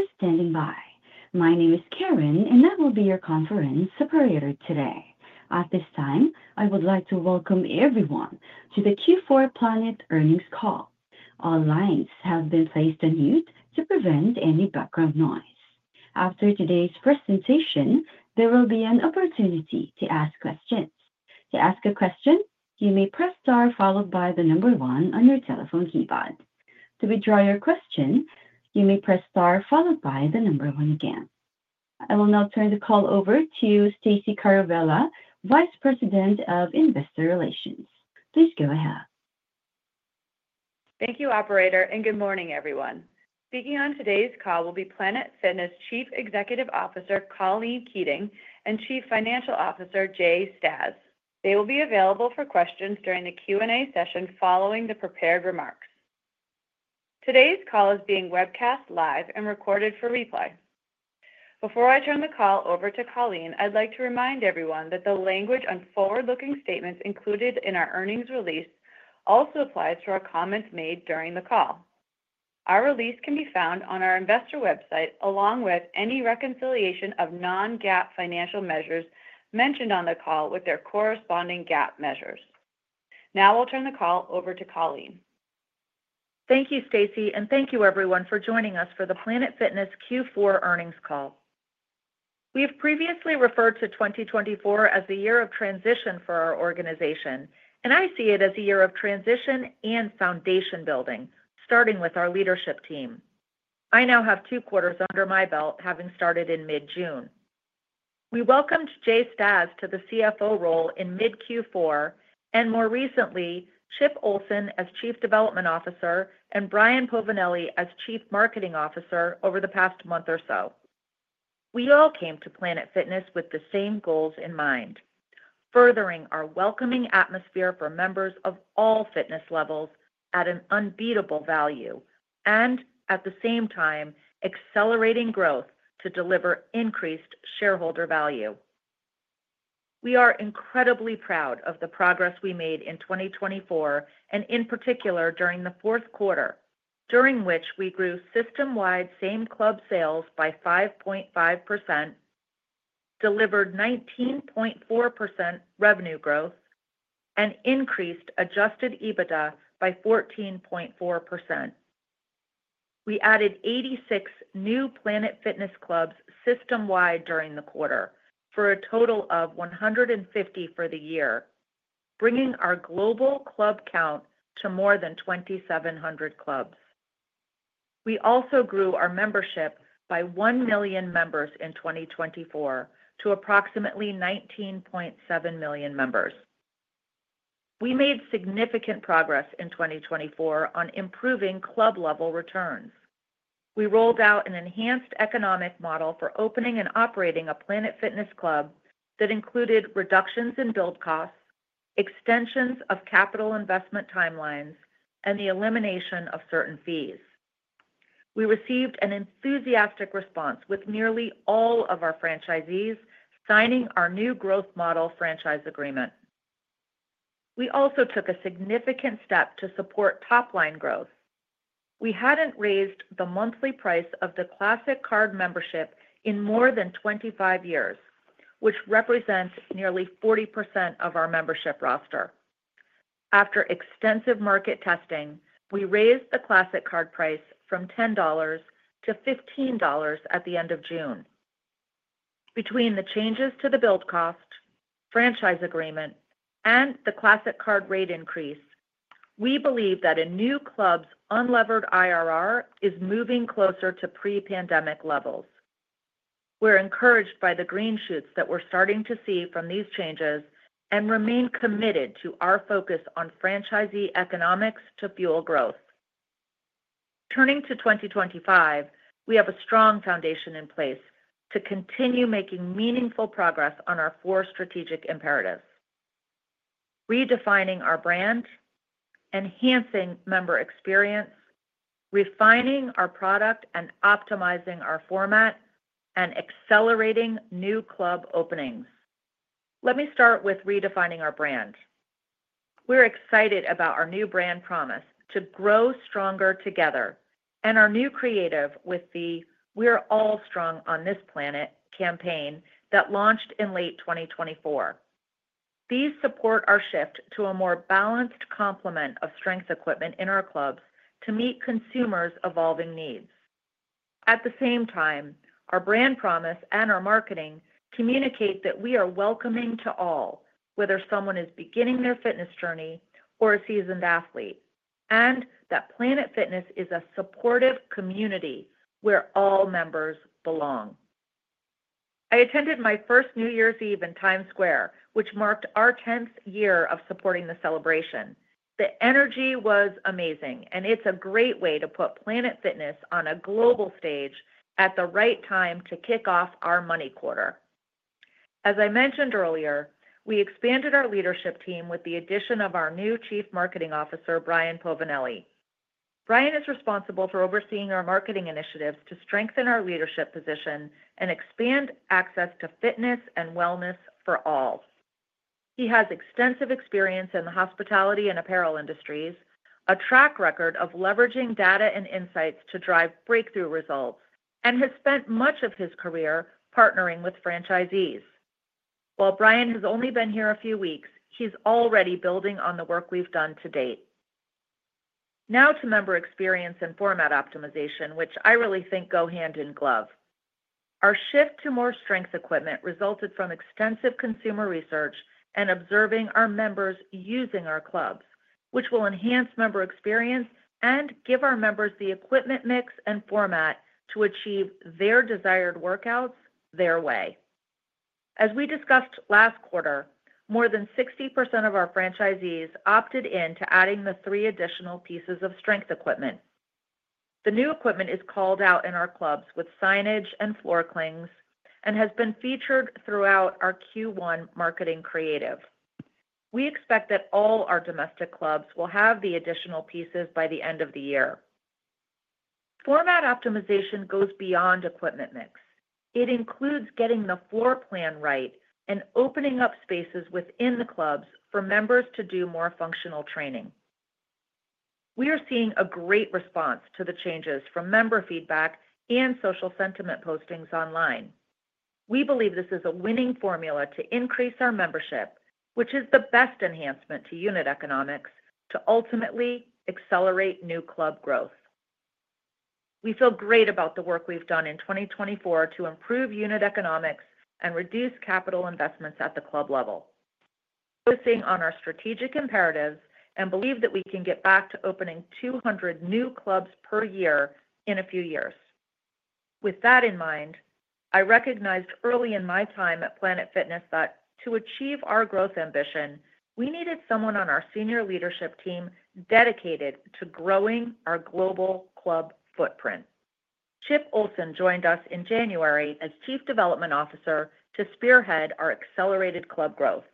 Thank you for standing by. My name is Karen, and I will be your conference operator today. At this time, I would like to welcome everyone to the Q4 Planet Fitness earnings call. All lines have been placed on mute to prevent any background noise. After today's presentation, there will be an opportunity to ask questions. To ask a question, you may press star followed by the number one on your telephone keypad. To withdraw your question, you may press star followed by the number one again. I will now turn the call over to Stacey Caravella, Vice President of Investor Relations. Please go ahead. Thank you, Operator, and good morning, everyone. Speaking on today's call will be Planet Fitness Chief Executive Officer Colleen Keating and Chief Financial Officer Jay Stasz. They will be available for questions during the Q&A session following the prepared remarks. Today's call is being webcast live and recorded for replay. Before I turn the call over to Colleen, I'd like to remind everyone that the language on forward-looking statements included in our earnings release also applies to our comments made during the call. Our release can be found on our investor website along with any reconciliation of non-GAAP financial measures mentioned on the call with their corresponding GAAP measures. Now I'll turn the call over to Colleen. Thank you, Stacey, and thank you, everyone, for joining us for the Planet Fitness Q4 Earnings call. We have previously referred to 2024 as the year of transition for our organization, and I see it as a year of transition and foundation building, starting with our leadership team. I now have two quarters under my belt, having started in mid-June. We welcomed Jay Stasz to the CFO role in mid-Q4 and, more recently, Chip Ohlsson as Chief Development Officer and Brian Povinelli as Chief Marketing Officer over the past month or so. We all came to Planet Fitness with the same goals in mind: furthering our welcoming atmosphere for members of all fitness levels at an unbeatable value and, at the same time, accelerating growth to deliver increased shareholder value. We are incredibly proud of the progress we made in 2024, and in particular during the fourth quarter, during which we grew system-wide same club sales by 5.5%, delivered 19.4% revenue growth, and increased adjusted EBITDA by 14.4%. We added 86 new Planet Fitness clubs system-wide during the quarter for a total of 150 for the year, bringing our global club count to more than 2,700 clubs. We also grew our membership by 1 million members in 2024 to approximately 19.7 million members. We made significant progress in 2024 on improving club-level returns. We rolled out an enhanced economic model for opening and operating a Planet Fitness club that included reductions in build costs, extensions of capital investment timelines, and the elimination of certain fees. We received an enthusiastic response with nearly all of our franchisees signing our new growth model franchise agreement. We also took a significant step to support top-line growth. We hadn't raised the monthly price of the Classic Card membership in more than 25 years, which represents nearly 40% of our membership roster. After extensive market testing, we raised the Classic Card price from $10-$15 at the end of June. Between the changes to the build cost, franchise agreement, and the Classic Card rate increase, we believe that a new club's unlevered IRR is moving closer to pre-pandemic levels. We're encouraged by the green shoots that we're starting to see from these changes and remain committed to our focus on franchisee economics to fuel growth. Turning to 2025, we have a strong foundation in place to continue making meaningful progress on our four strategic imperatives: redefining our brand, enhancing member experience, refining our product and optimizing our format, and accelerating new club openings. Let me start with redefining our brand. We're excited about our new brand promise to grow stronger together and our new creative with the "We're all strong on this planet" campaign that launched in late 2024. These support our shift to a more balanced complement of strength equipment in our clubs to meet consumers' evolving needs. At the same time, our brand promise and our marketing communicate that we are welcoming to all, whether someone is beginning their fitness journey or a seasoned athlete, and that Planet Fitness is a supportive community where all members belong. I attended my first New Year's Eve in Times Square, which marked our 10th year of supporting the celebration. The energy was amazing, and it's a great way to put Planet Fitness on a global stage at the right time to kick off our January quarter. As I mentioned earlier, we expanded our leadership team with the addition of our new Chief Marketing Officer, Brian Povinelli. Brian is responsible for overseeing our marketing initiatives to strengthen our leadership position and expand access to fitness and wellness for all. He has extensive experience in the hospitality and apparel industries, a track record of leveraging data and insights to drive breakthrough results, and has spent much of his career partnering with franchisees. While Brian has only been here a few weeks, he's already building on the work we've done to date. Now to member experience and format optimization, which I really think go hand in glove. Our shift to more strength equipment resulted from extensive consumer research and observing our members using our clubs, which will enhance member experience and give our members the equipment mix and format to achieve their desired workouts their way. As we discussed last quarter, more than 60% of our franchisees opted into adding the three additional pieces of strength equipment. The new equipment is called out in our clubs with signage and floor clings and has been featured throughout our Q1 marketing creative. We expect that all our domestic clubs will have the additional pieces by the end of the year. Format optimization goes beyond equipment mix. It includes getting the floor plan right and opening up spaces within the clubs for members to do more functional training. We are seeing a great response to the changes from member feedback and social sentiment postings online. We believe this is a winning formula to increase our membership, which is the best enhancement to unit economics to ultimately accelerate new club growth. We feel great about the work we've done in 2024 to improve unit economics and reduce capital investments at the club level. Focusing on our strategic imperatives, we believe that we can get back to opening 200 new clubs per year in a few years. With that in mind, I recognized early in my time at Planet Fitness that to achieve our growth ambition, we needed someone on our senior leadership team dedicated to growing our global club footprint. Chip Ohlsson joined us in January as Chief Development Officer to spearhead our accelerated club growth.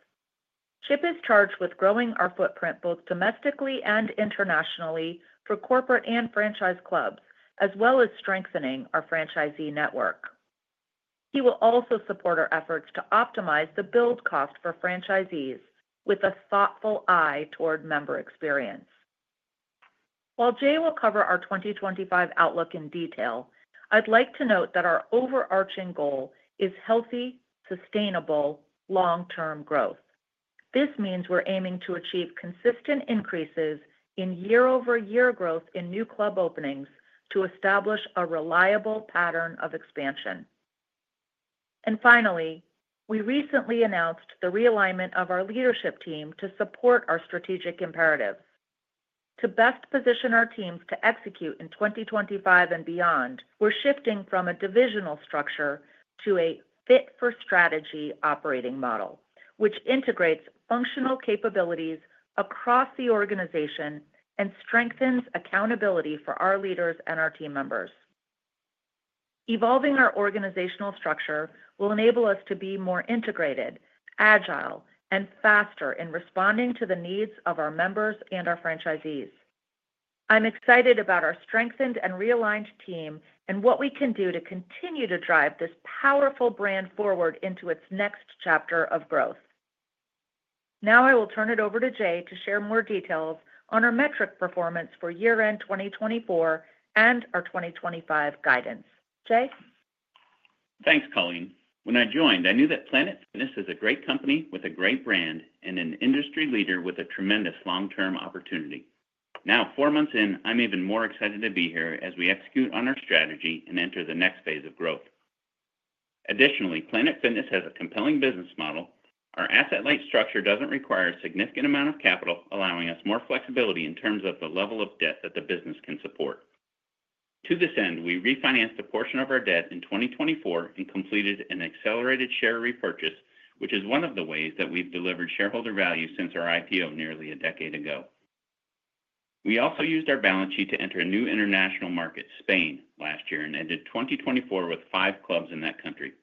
Chip is charged with growing our footprint both domestically and internationally for corporate and franchise clubs, as well as strengthening our franchisee network. He will also support our efforts to optimize the build cost for franchisees with a thoughtful eye toward member experience. While Jay will cover our 2025 outlook in detail, I'd like to note that our overarching goal is healthy, sustainable, long-term growth. This means we're aiming to achieve consistent increases in year-over-year growth in new club openings to establish a reliable pattern of expansion, and finally, we recently announced the realignment of our leadership team to support our strategic imperatives. To best position our teams to execute in 2025 and beyond, we're shifting from a divisional structure to a fit-for-strategy operating model, which integrates functional capabilities across the organization and strengthens accountability for our leaders and our team members. Evolving our organizational structure will enable us to be more integrated, agile, and faster in responding to the needs of our members and our franchisees. I'm excited about our strengthened and realigned team and what we can do to continue to drive this powerful brand forward into its next chapter of growth. Now I will turn it over to Jay to share more details on our metric performance for year-end 2024 and our 2025 guidance. Jay? Thanks, Colleen. When I joined, I knew that Planet Fitness is a great company with a great brand and an industry leader with a tremendous long-term opportunity. Now, four months in, I'm even more excited to be here as we execute on our strategy and enter the next phase of growth. Additionally, Planet Fitness has a compelling business model. Our asset-light structure doesn't require a significant amount of capital, allowing us more flexibility in terms of the level of debt that the business can support. To this end, we refinanced a portion of our debt in 2024 and completed an accelerated share repurchase, which is one of the ways that we've delivered shareholder value since our IPO nearly a decade ago. We also used our balance sheet to enter a new international market, Spain, last year and ended 2024 with five clubs in that country.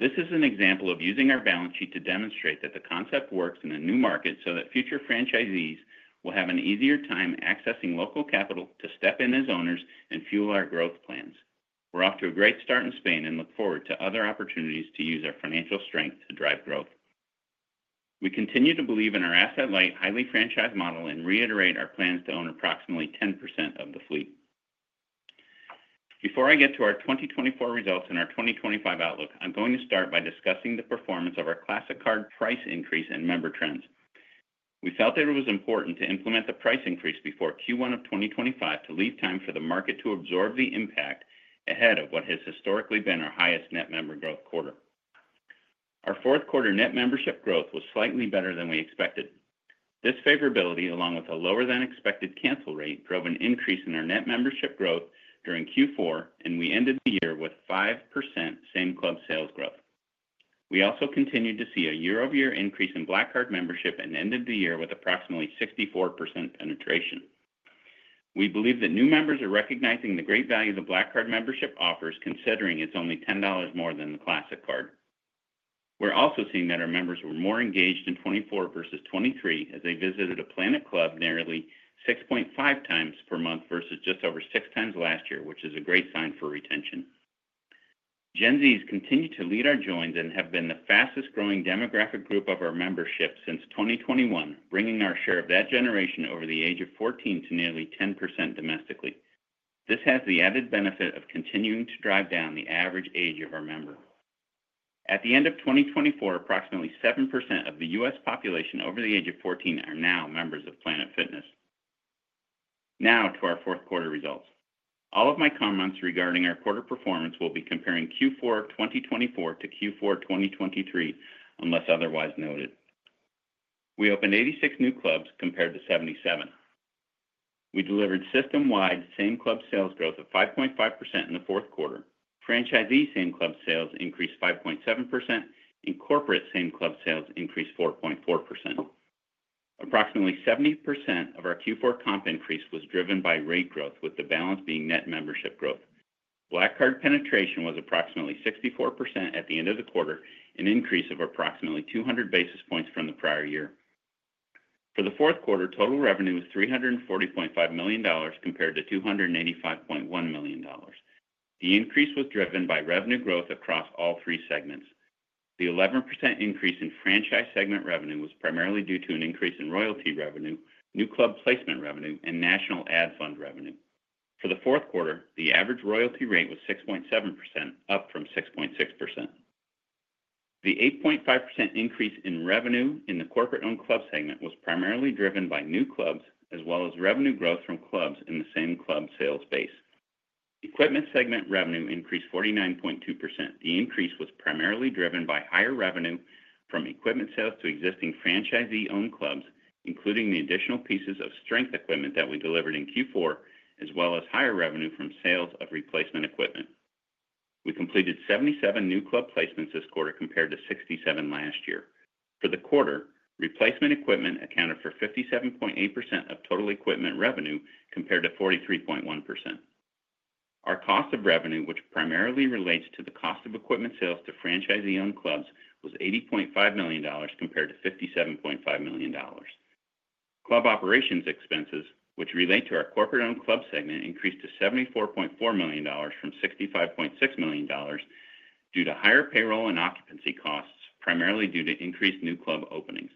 This is an example of using our balance sheet to demonstrate that the concept works in a new market so that future franchisees will have an easier time accessing local capital to step in as owners and fuel our growth plans. We're off to a great start in Spain and look forward to other opportunities to use our financial strength to drive growth. We continue to believe in our asset-light, highly franchised model and reiterate our plans to own approximately 10% of the fleet. Before I get to our 2024 results and our 2025 outlook, I'm going to start by discussing the performance of our Classic Card price increase and member trends. We felt that it was important to implement the price increase before Q1 of 2025 to leave time for the market to absorb the impact ahead of what has historically been our highest net member growth quarter. Our fourth quarter net membership growth was slightly better than we expected. This favorability, along with a lower-than-expected cancel rate, drove an increase in our net membership growth during Q4, and we ended the year with 5% same club sales growth. We also continued to see a year-over-year increase in Black Card membership and ended the year with approximately 64% penetration. We believe that new members are recognizing the great value the Black Card membership offers, considering it's only $10 more than the Classic Card. We're also seeing that our members were more engaged in 2024 versus 2023 as they visited a Planet Fitness club nearly 6.5 times per month versus just over six times last year, which is a great sign for retention. Gen Zs continue to lead our joins and have been the fastest-growing demographic group of our membership since 2021, bringing our share of that generation over the age of 14 to nearly 10% domestically. This has the added benefit of continuing to drive down the average age of our member. At the end of 2024, approximately 7% of the U.S. population over the age of 14 are now members of Planet Fitness. Now to our fourth quarter results. All of my comments regarding our quarter performance will be comparing Q4 of 2024 to Q4 of 2023, unless otherwise noted. We opened 86 new clubs compared to 77. We delivered system-wide same club sales growth of 5.5% in the fourth quarter. Franchisee same club sales increased 5.7%, and corporate same club sales increased 4.4%. Approximately 70% of our Q4 comp increase was driven by rate growth, with the balance being net membership growth. Black Card penetration was approximately 64% at the end of the quarter, an increase of approximately 200 basis points from the prior year. For the fourth quarter, total revenue was $340.5 million compared to $285.1 million. The increase was driven by revenue growth across all three segments. The 11% increase in franchise segment revenue was primarily due to an increase in royalty revenue, new club placement revenue, and national ad fund revenue. For the fourth quarter, the average royalty rate was 6.7%, up from 6.6%. The 8.5% increase in revenue in the corporate-owned club segment was primarily driven by new clubs, as well as revenue growth from clubs in the same club sales base. Equipment segment revenue increased 49.2%. The increase was primarily driven by higher revenue from equipment sales to existing franchisee-owned clubs, including the additional pieces of strength equipment that we delivered in Q4, as well as higher revenue from sales of replacement equipment. We completed 77 new club placements this quarter compared to 67 last year. For the quarter, replacement equipment accounted for 57.8% of total equipment revenue compared to 43.1%. Our cost of revenue, which primarily relates to the cost of equipment sales to franchisee-owned clubs, was $80.5 million compared to $57.5 million. Club operations expenses, which relate to our corporate-owned club segment, increased to $74.4 million from $65.6 million due to higher payroll and occupancy costs, primarily due to increased new club openings.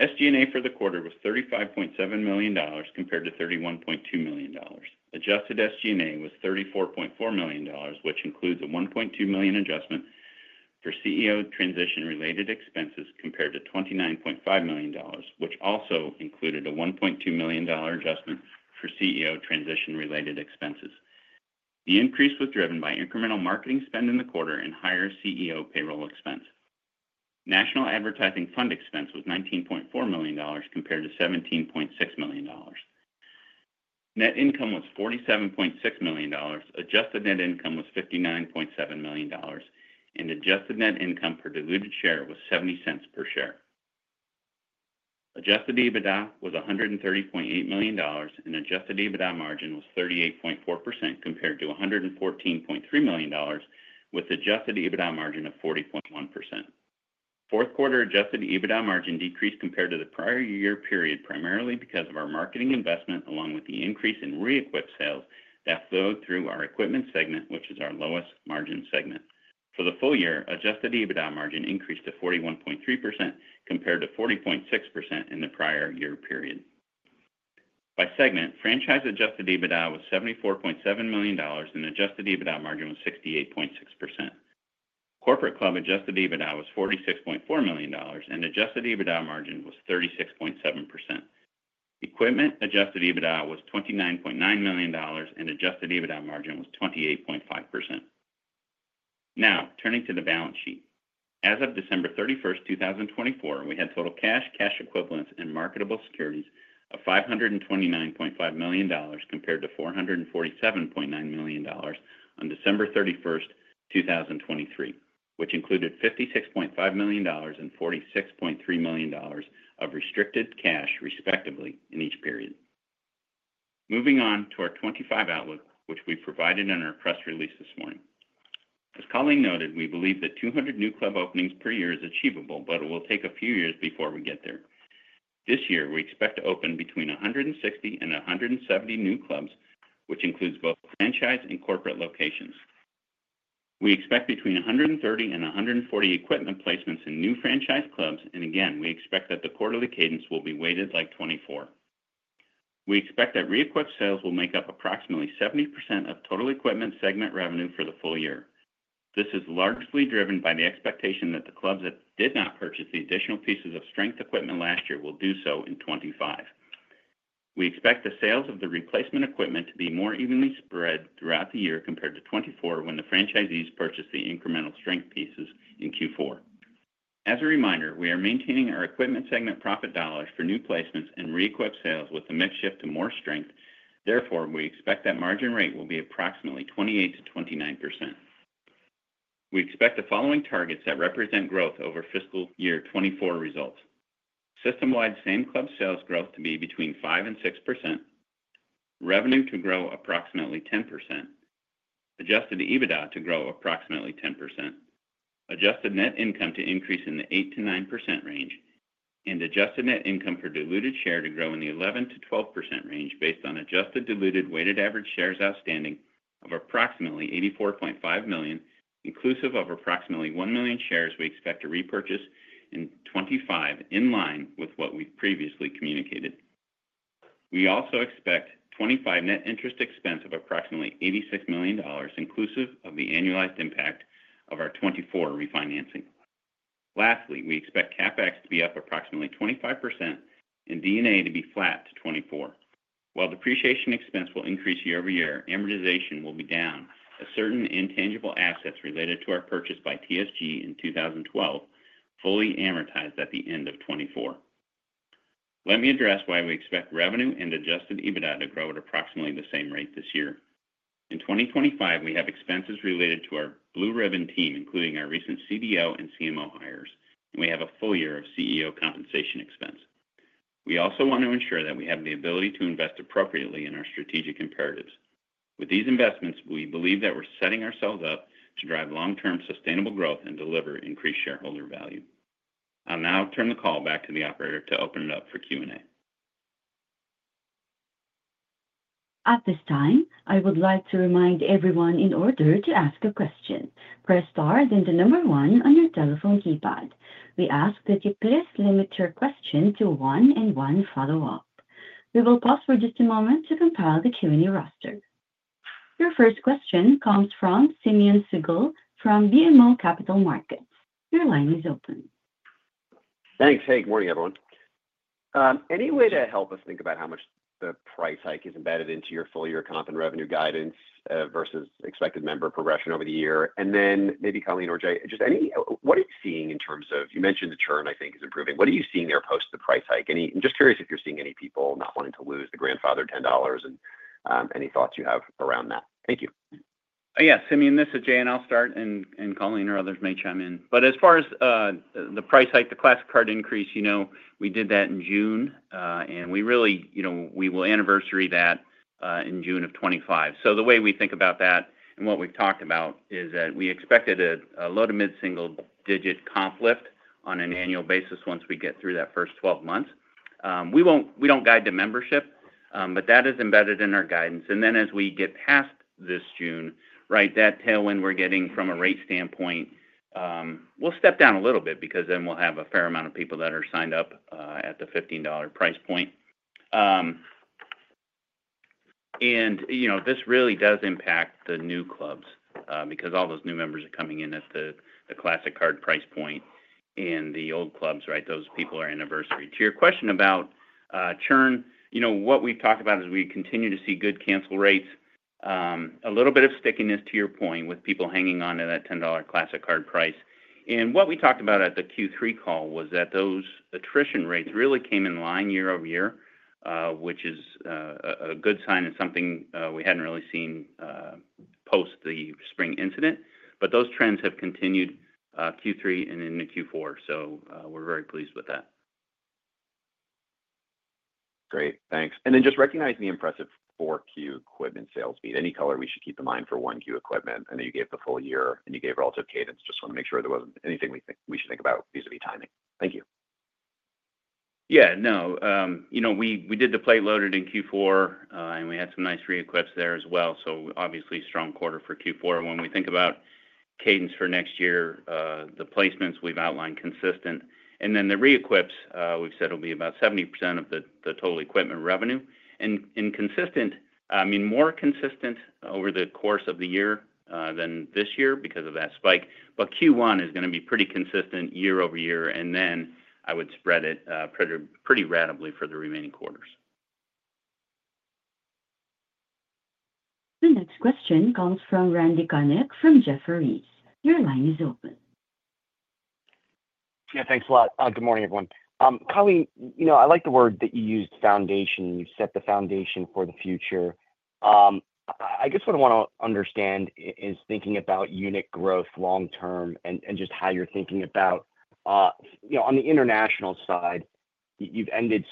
SG&A for the quarter was $35.7 million compared to $31.2 million. Adjusted SG&A was $34.4 million, which includes a $1.2 million adjustment for CEO transition-related expenses compared to $29.5 million, which also included a $1.2 million adjustment for CEO transition-related expenses. The increase was driven by incremental marketing spend in the quarter and higher CEO payroll expense. National advertising fund expense was $19.4 million compared to $17.6 million. Net income was $47.6 million. Adjusted net income was $59.7 million, and adjusted net income per diluted share was $0.70 per share. Adjusted EBITDA was $130.8 million, and adjusted EBITDA margin was 38.4% compared to $114.3 million, with adjusted EBITDA margin of 40.1%. Fourth quarter adjusted EBITDA margin decreased compared to the prior year period, primarily because of our marketing investment, along with the increase in re-equip sales that flowed through our equipment segment, which is our lowest margin segment. For the full year, adjusted EBITDA margin increased to 41.3% compared to 40.6% in the prior year period. By segment, franchise adjusted EBITDA was $74.7 million, and adjusted EBITDA margin was 68.6%. Corporate club adjusted EBITDA was $46.4 million, and adjusted EBITDA margin was 36.7%. Equipment adjusted EBITDA was $29.9 million, and adjusted EBITDA margin was 28.5%. Now, turning to the balance sheet. As of December 31st, 2024, we had total cash, cash equivalents, and marketable securities of $529.5 million compared to $447.9 million on December 31st, 2023, which included $56.5 million and $46.3 million of restricted cash, respectively, in each period. Moving on to our 2025 outlook, which we provided in our press release this morning. As Colleen noted, we believe that 200 new club openings per year is achievable, but it will take a few years before we get there. This year, we expect to open between 160 and 170 new clubs, which includes both franchise and corporate locations. We expect between 130 and 140 equipment placements in new franchise clubs, and again, we expect that the quarterly cadence will be weighted like 2024. We expect that re-equip sales will make up approximately 70% of total equipment segment revenue for the full year. This is largely driven by the expectation that the clubs that did not purchase the additional pieces of strength equipment last year will do so in 2025. We expect the sales of the replacement equipment to be more evenly spread throughout the year compared to 2024 when the franchisees purchased the incremental strength pieces in Q4. As a reminder, we are maintaining our equipment segment profit dollars for new placements and re-equip sales with a mixed shift to more strength. Therefore, we expect that margin rate will be approximately 28%-29%. We expect the following targets that represent growth over fiscal year 2024 results: system-wide same club sales growth to be between 5% and 6%, revenue to grow approximately 10%, adjusted EBITDA to grow approximately 10%, adjusted net income to increase in the 8%-9% range, and adjusted net income per diluted share to grow in the 11%-12% range based on adjusted diluted weighted average shares outstanding of approximately $84.5 million, inclusive of approximately one million shares we expect to repurchase in 2025 in line with what we've previously communicated. We also expect 2025 net interest expense of approximately $86 million, inclusive of the annualized impact of our 2024 refinancing. Lastly, we expect CapEx to be up approximately 25% and D&A to be flat to 2024. While depreciation expense will increase year-over-year, amortization will be down as certain intangible assets related to our purchase by TSG in 2012 fully amortized at the end of 2024. Let me address why we expect revenue and Adjusted EBITDA to grow at approximately the same rate this year. In 2025, we have expenses related to our blue-ribbon team, including our recent CDO and CMO hires, and we have a full year of CEO compensation expense. We also want to ensure that we have the ability to invest appropriately in our strategic imperatives. With these investments, we believe that we're setting ourselves up to drive long-term sustainable growth and deliver increased shareholder value. I'll now turn the call back to the operator to open it up for Q&A. At this time, I would like to remind everyone in order to ask a question, press star then the number one on your telephone keypad. We ask that you please limit your question to one and one follow-up. We will pause for just a moment to compile the Q&A roster. Your first question comes from Simeon Siegel from BMO Capital Markets. Your line is open. Thanks. Hey, good morning, everyone. Any way to help us think about how much the price hike is embedded into your full year comp and revenue guidance versus expected member progression over the year? And then maybe Colleen or Jay, just any, what are you seeing in terms of, you mentioned the churn, I think, is improving. What are you seeing there post the price hike? I'm just curious if you're seeing any people not wanting to lose the grandfather $10 and any thoughts you have around that? Thank you. Yes, Simeon, this is Jay, and I'll start, and Colleen or others may chime in. But as far as the price hike, the Classic Card increase, you know we did that in June, and we really, you know, we will anniversary that in June of 2025. So the way we think about that and what we've talked about is that we expected a low- to mid-single-digit comp lift on an annual basis once we get through that first 12 months. We don't guide to membership, but that is embedded in our guidance. And then as we get past this June, right, that tailwind we're getting from a rate standpoint, we'll step down a little bit because then we'll have a fair amount of people that are signed up at the $15 price point. You know this really does impact the new clubs because all those new members are coming in at the Classic Card price point, and the old clubs, right, those people are anniversary. To your question about churn, you know what we've talked about is we continue to see good cancel rates, a little bit of stickiness to your point with people hanging on to that $10 Classic Card price. What we talked about at the Q3 call was that those attrition rates really came in line year-over-year, which is a good sign and something we hadn't really seen post the spring incident. Those trends have continued Q3 and into Q4, so we're very pleased with that. Great. Thanks. And then just recognizing the impressive Q4 equipment sales beat, any color we should keep in mind for Q1 equipment? I know you gave the full year and you gave relative cadence. Just want to make sure there wasn't anything we should think about vis-à-vis timing. Thank you. Yeah, no, you know we did the plate loaded in Q4, and we had some nice re-equips there as well. So obviously strong quarter for Q4. When we think about cadence for next year, the placements we've outlined consistent. And then the re-equips, we've said will be about 70% of the total equipment revenue. And consistent, I mean more consistent over the course of the year than this year because of that spike. But Q1 is going to be pretty consistent year-over-year, and then I would spread it pretty radically for the remaining quarters. The next question comes from Randy Konik from Jefferies. Your line is open. Yeah, thanks a lot. Good morning, everyone. Colleen, you know I like the word that you used, foundation. You set the foundation for the future. I guess what I want to understand is thinking about unit growth long-term and just how you're thinking about, you know, on the international side, you've entered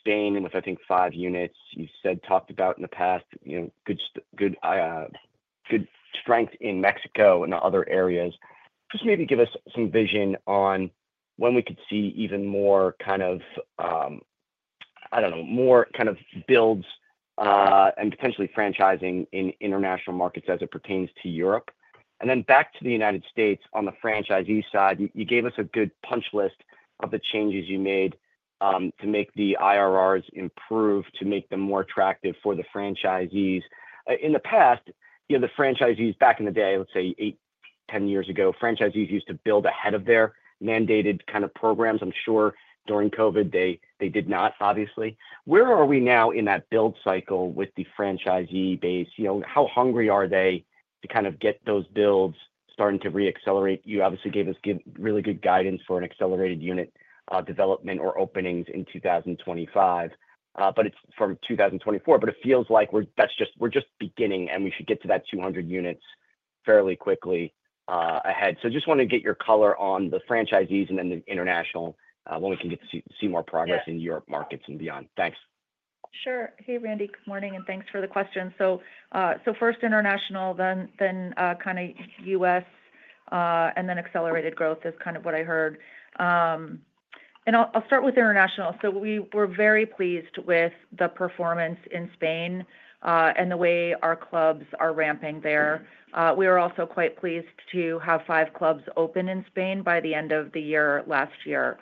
Spain with, I think, five units. You said, talked about in the past, you know, good strength in Mexico and other areas. Just maybe give us some vision on when we could see even more kind of, I don't know, more kind of builds and potentially franchising in international markets as it pertains to Europe. And then back to the United States on the franchisee side, you gave us a good punch list of the changes you made to make the IRRs improve, to make them more attractive for the franchisees. In the past, you know, the franchisees back in the day, let's say eight, 10 years ago, franchisees used to build ahead of their mandated kind of programs. I'm sure during COVID they did not, obviously. Where are we now in that build cycle with the franchisee base? You know, how hungry are they to kind of get those builds starting to re-accelerate? You obviously gave us really good guidance for an accelerated unit development or openings in 2025, but it's from 2024, but it feels like that's just, we're just beginning and we should get to that 200 units fairly quickly ahead. So just want to get your color on the franchisees and then the international when we can get to see more progress in Europe markets and beyond. Thanks. Sure. Hey, Randy, good morning and thanks for the question. So first international, then kind of U.S., and then accelerated growth is kind of what I heard. And I'll start with international. So we were very pleased with the performance in Spain and the way our clubs are ramping there. We are also quite pleased to have five clubs open in Spain by the end of the year last year.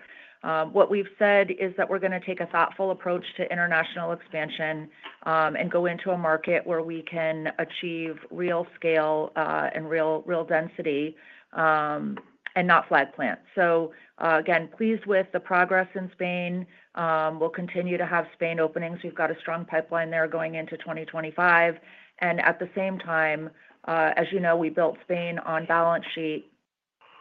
What we've said is that we're going to take a thoughtful approach to international expansion and go into a market where we can achieve real scale and real density and not flag plant. So again, pleased with the progress in Spain. We'll continue to have Spain openings. We've got a strong pipeline there going into 2025. At the same time, as you know, we built Spain on balance sheet,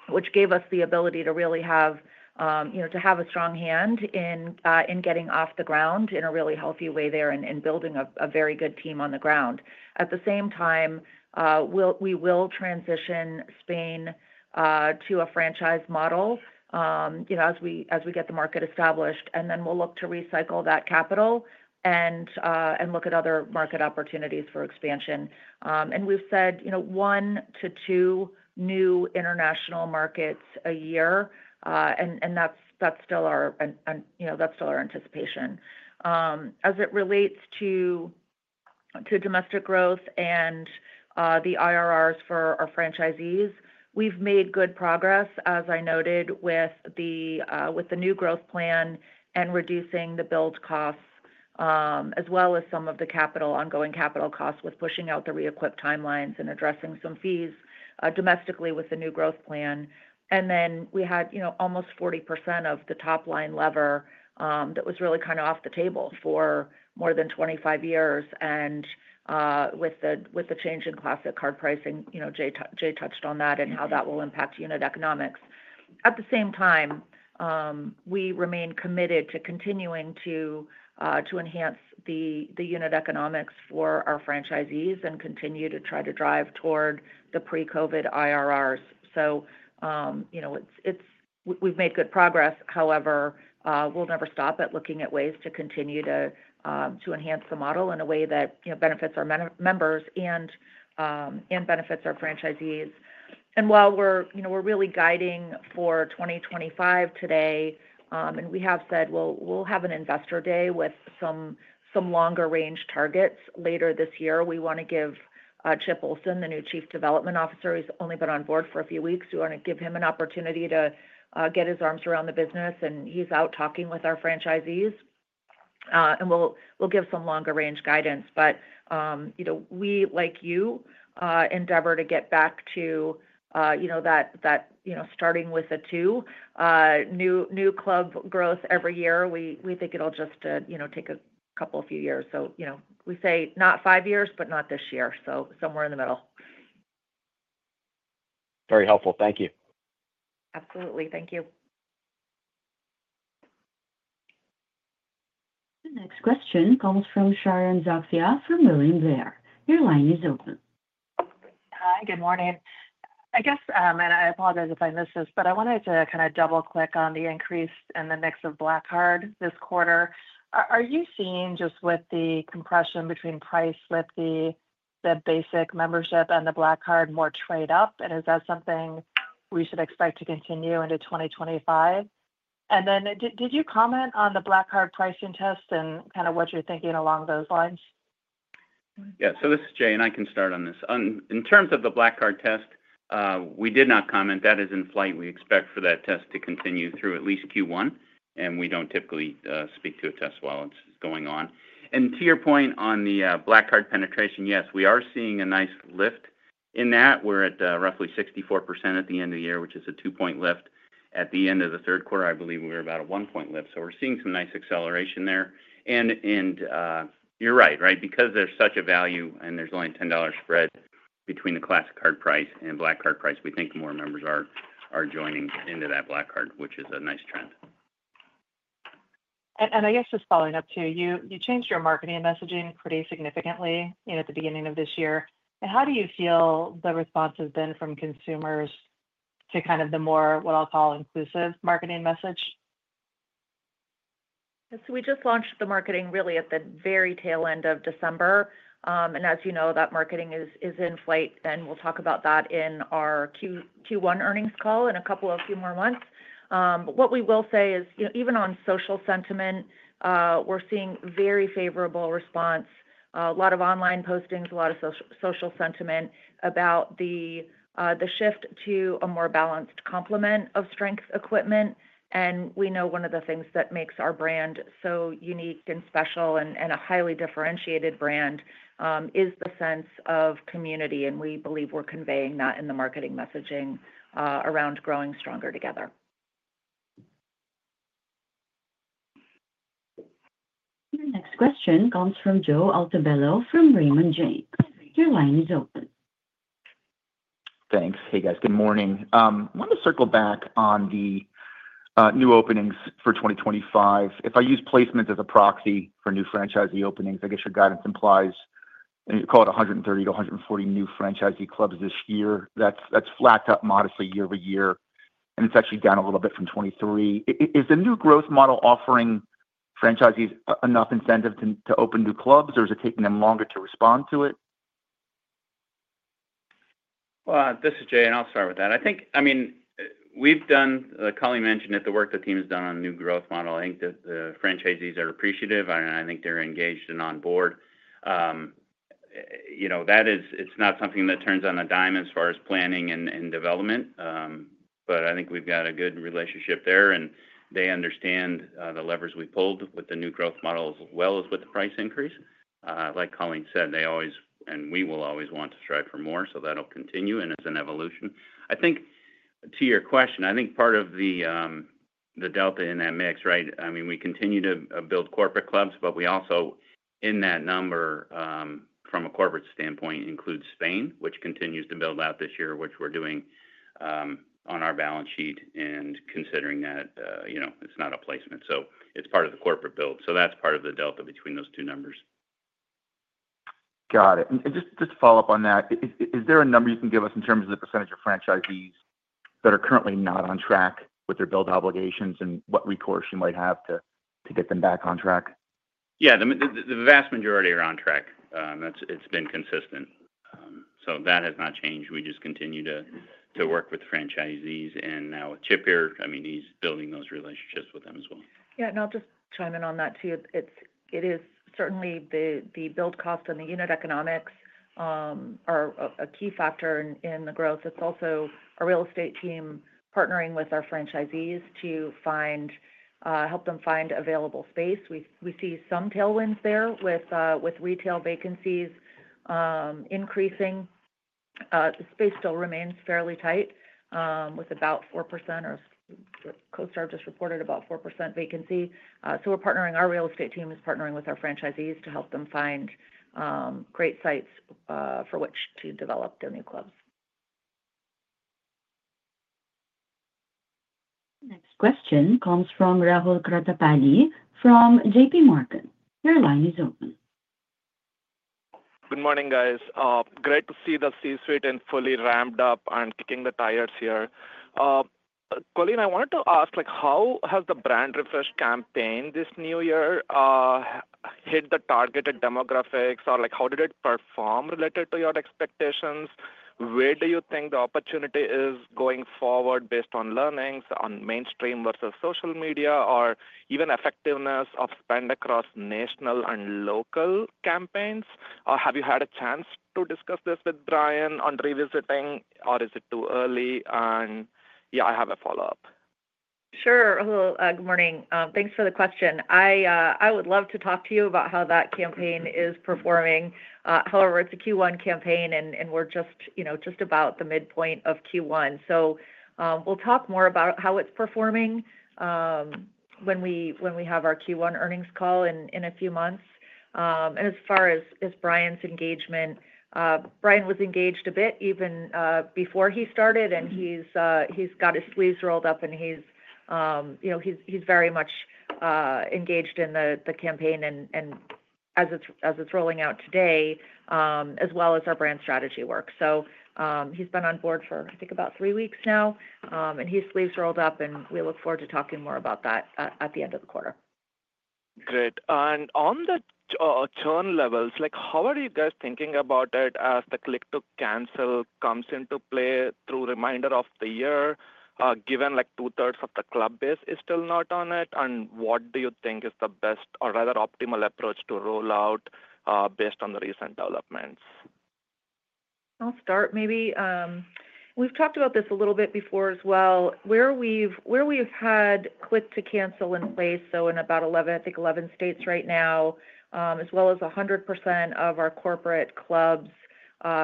which gave us the ability to really have, you know, to have a strong hand in getting off the ground in a really healthy way there and building a very good team on the ground. At the same time, we will transition Spain to a franchise model, you know, as we get the market established, and then we'll look to recycle that capital and look at other market opportunities for expansion. We've said, you know, one to two new international markets a year, and that's still our, you know, that's still our anticipation. As it relates to domestic growth and the IRRs for our franchisees, we've made good progress, as I noted, with the new growth plan and reducing the build costs, as well as some of the capital, ongoing capital costs with pushing out the re-equip timelines and addressing some fees domestically with the new growth plan, and then we had, you know, almost 40% of the top line leverage that was really kind of off the table for more than 25 years, and with the change in Classic Card pricing, you know, Jay touched on that and how that will impact unit economics. At the same time, we remain committed to continuing to enhance the unit economics for our franchisees and continue to try to drive toward the pre-COVID IRRs, so you know, we've made good progress. However, we'll never stop at looking at ways to continue to enhance the model in a way that, you know, benefits our members and benefits our franchisees, and while we're, you know, we're really guiding for 2025 today, and we have said we'll have an Investor Day with some longer range targets later this year. We want to give Chip Ohlsson, the new Chief Development Officer, who's only been on board for a few weeks, we want to give him an opportunity to get his arms around the business, and he's out talking with our franchisees, and we'll give some longer range guidance, but, you know, we, like you, endeavor to get back to, you know, that, you know, starting with a two, new club growth every year. We think it'll just, you know, take a couple of few years. So, you know, we say not five years, but not this year. So somewhere in the middle. Very helpful. Thank you. Absolutely. Thank you. The next question comes from Sharon Zackfia from William Blair. Your line is open. Hi, good morning. I guess, and I apologize if I missed this, but I wanted to kind of double-click on the increase in the mix of Black Card this quarter. Are you seeing, just with the compression between price with the basic membership and the Black Card more trade-up? And is that something we should expect to continue into 2025? And then did you comment on the Black Card pricing test and kind of what you're thinking along those lines? Yeah, so this is Jay, and I can start on this. In terms of the Black Card test, we did not comment. That is in flight. We expect for that test to continue through at least Q1, and we don't typically speak to a test while it's going on. And to your point on the Black Card penetration, yes, we are seeing a nice lift in that. We're at roughly 64% at the end of the year, which is a two-point lift. At the end of the third quarter, I believe we were about a one-point lift. So we're seeing some nice acceleration there. And you're right, right? Because there's such a value and there's only a $10 spread between the Classic Card price and Black Card price, we think more members are joining into that Black Card, which is a nice trend. I guess just following up too, you changed your marketing messaging pretty significantly at the beginning of this year. How do you feel the response has been from consumers to kind of the more, what I'll call, inclusive marketing message? We just launched the marketing really at the very tail end of December. As you know, that marketing is in flight, and we'll talk about that in our Q1 earnings call in a couple of few more months. What we will say is, you know, even on social sentiment, we're seeing very favorable response, a lot of online postings, a lot of social sentiment about the shift to a more balanced complement of strength equipment. We know one of the things that makes our brand so unique and special and a highly differentiated brand is the sense of community. We believe we're conveying that in the marketing messaging around growing stronger together. The next question comes from Joe Altobello from Raymond James. Your line is open. Thanks. Hey guys, good morning. I want to circle back on the new openings for 2025. If I use placements as a proxy for new franchisee openings, I guess your guidance implies you call it 130-140 new franchisee clubs this year. That's flat up modestly year-over-year, and it's actually down a little bit from 2023. Is the new growth model offering franchisees enough incentive to open new clubs, or is it taking them longer to respond to it? This is Jay, and I'll start with that. I think, I mean, we've done, like Colleen mentioned, the work that team has done on the new growth model. I think that the franchisees are appreciative, and I think they're engaged and on board. You know, that is, it's not something that turns on a dime as far as planning and development. But I think we've got a good relationship there, and they understand the levers we pulled with the new growth model as well as with the price increase. Like Colleen said, they always, and we will always want to strive for more, so that'll continue, and it's an evolution. I think to your question, I think part of the delta in that mix, right? I mean, we continue to build corporate clubs, but we also, in that number from a corporate standpoint, include Spain, which continues to build out this year, which we're doing on our balance sheet and considering that, you know, it's not a placement. So it's part of the corporate build. So that's part of the delta between those two numbers. Got it. And just to follow up on that, is there a number you can give us in terms of the percentage of franchisees that are currently not on track with their build obligations and what recourse you might have to get them back on track? Yeah, the vast majority are on track. It's been consistent. So that has not changed. We just continue to work with franchisees. And now with Chip here, I mean, he's building those relationships with them as well. Yeah, and I'll just chime in on that too. It is certainly the build cost and the unit economics are a key factor in the growth. It's also our real estate team partnering with our franchisees to help them find available space. We see some tailwinds there with retail vacancies increasing. The space still remains fairly tight with about 4%, or CoStar just reported about 4% vacancy. So we're partnering, our real estate team is partnering with our franchisees to help them find great sites for which to develop their new clubs. The next question comes from Rahul Krotthapalli from JPMorgan. Your line is open. Good morning, guys. Great to see the C-suite and fully ramped up and kicking the tires here. Colleen, I wanted to ask, like, how has the brand refresh campaign this new year hit the targeted demographics? Or like, how did it perform related to your expectations? Where do you think the opportunity is going forward based on learnings on mainstream versus social media or even effectiveness of spend across national and local campaigns? Or have you had a chance to discuss this with Brian on revisiting, or is it too early? And yeah, I have a follow-up. Sure. Hello, good morning. Thanks for the question. I would love to talk to you about how that campaign is performing. However, it's a Q1 campaign, and we're just, you know, just about the midpoint of Q1. So we'll talk more about how it's performing when we have our Q1 earnings call in a few months. And as far as Brian's engagement, Brian was engaged a bit even before he started, and he's got his sleeves rolled up, and he's, you know, he's very much engaged in the campaign and as it's rolling out today, as well as our brand strategy work. So he's been on board for, I think, about three weeks now, and we look forward to talking more about that at the end of the quarter. Great. And on the churn levels, like, how are you guys thinking about it as the click-to-cancel comes into play through the remainder of the year, given like two-thirds of the club base is still not on it? And what do you think is the best or rather optimal approach to roll out based on the recent developments? I'll start maybe. We've talked about this a little bit before as well. Where we've had click-to-cancel in place, so in about 11, I think 11 states right now, as well as 100% of our corporate clubs,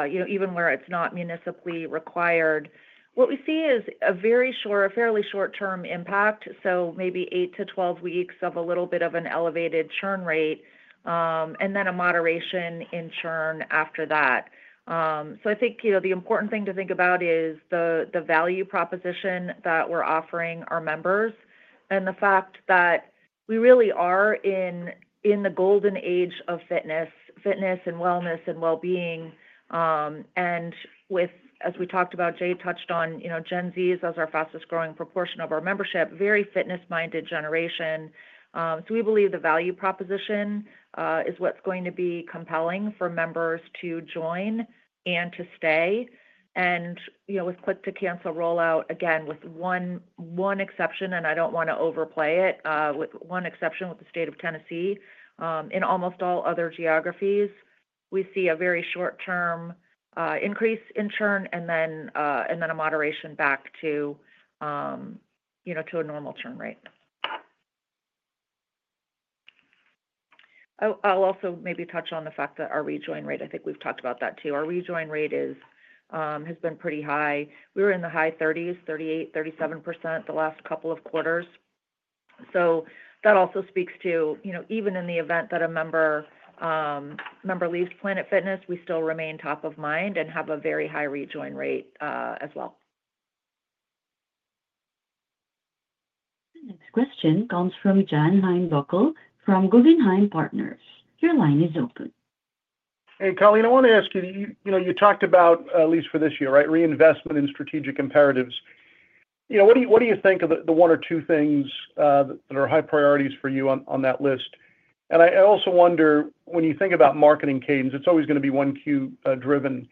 you know, even where it's not municipally required, what we see is a very short, a fairly short-term impact. So maybe 8-12 weeks of a little bit of an elevated churn rate and then a moderation in churn after that. So I think, you know, the important thing to think about is the value proposition that we're offering our members and the fact that we really are in the golden age of fitness, fitness and wellness and well-being. And with, as we talked about, Jay touched on, you know, Gen Zs as our fastest growing proportion of our membership, very fitness-minded generation. We believe the value proposition is what's going to be compelling for members to join and to stay. You know, with click-to-cancel rollout, again, with one exception, and I don't want to overplay it, with one exception with the state of Tennessee, in almost all other geographies, we see a very short-term increase in churn and then a moderation back to, you know, to a normal churn rate. I'll also maybe touch on the fact that our rejoin rate, I think we've talked about that too. Our rejoin rate has been pretty high. We were in the high 30s, 38%, 37% the last couple of quarters. So that also speaks to, you know, even in the event that a member leaves Planet Fitness, we still remain top of mind and have a very high rejoin rate as well. The next question comes from John Heinbockel from Guggenheim Partners. Your line is open. Hey, Colleen, I want to ask you, you know, you talked about, at least for this year, right, reinvestment in strategic imperatives. You know, what do you think of the one or two things that are high priorities for you on that list? And I also wonder, when you think about marketing cadence, it's always going to be 1Q driven.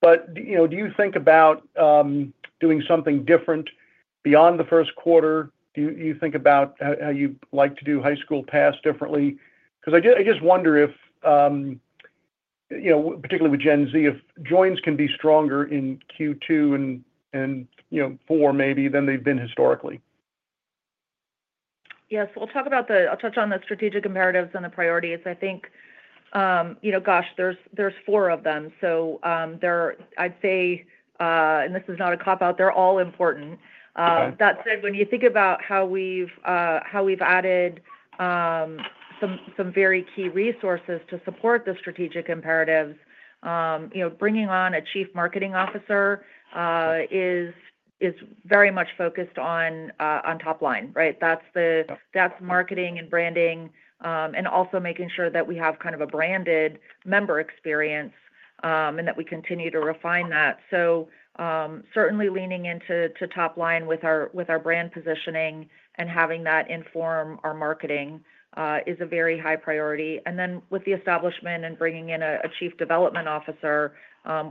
But, you know, do you think about doing something different beyond the first quarter? Do you think about how you'd like to do High School Pass differently? Because I just wonder if, you know, particularly with Gen Z, if joins can be stronger in Q2 and, you know, Q4 maybe than they've been historically. Yes. We'll talk about the, I'll touch on the strategic imperatives and the priorities. I think, you know, gosh, there's four of them. So they're, I'd say, and this is not a cop-out, they're all important. That said, when you think about how we've added some very key resources to support the strategic imperatives, you know, bringing on a Chief Marketing Officer is very much focused on top line, right? That's marketing and branding and also making sure that we have kind of a branded member experience and that we continue to refine that. So certainly leaning into top line with our brand positioning and having that inform our marketing is a very high priority. Then with the establishment and bringing in a Chief Development Officer,